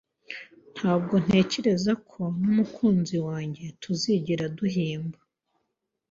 Ntabwo ntekereza ko n'umukunzi wanjye tuzigera duhimba